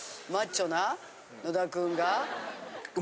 マッチョな野田君が？